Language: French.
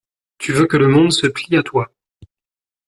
Tu veux que le monde se plie à toi.